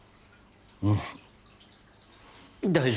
うん大丈夫。